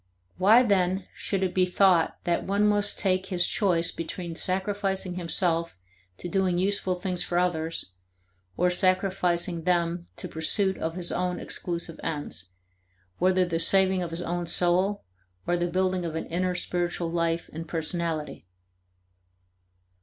Why then should it be thought that one must take his choice between sacrificing himself to doing useful things for others, or sacrificing them to pursuit of his own exclusive ends, whether the saving of his own soul or the building of an inner spiritual life and personality?